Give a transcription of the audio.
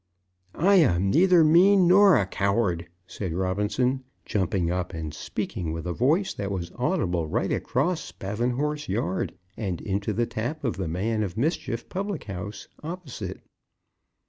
"I am neither mean nor a coward," said Robinson, jumping up, and speaking with a voice that was audible right across Spavinhorse Yard, and into the tap of the "Man of Mischief" public house opposite.